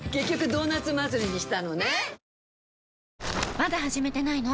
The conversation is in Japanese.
まだ始めてないの？